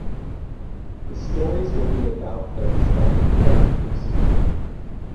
The stories will be about their respective characters.